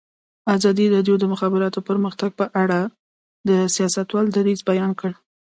ازادي راډیو د د مخابراتو پرمختګ په اړه د سیاستوالو دریځ بیان کړی.